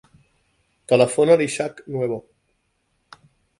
Telefona a l'Ishak Nuevo.